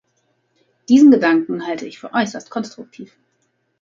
Diesen Gedanken halte ich für äußerst konstruktiv.